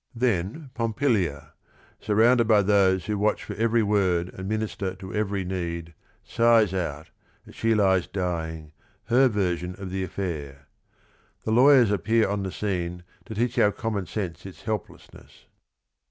Then, Pompilia, surrounded by those who watch for every word and minister to every need, sighs out, as she lies dying, her version of the affair. The lawyers appear on the scene " to teach our common sense its helplessness."